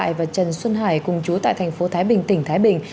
và trần xuân hải cùng chú tại thành phố thái bình tỉnh thái bình